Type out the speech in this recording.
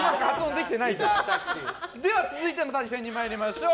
続いての対戦に参りましょう。